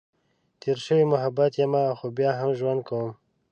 تېر شوی محبت یمه، خو بیا هم ژوند کؤم.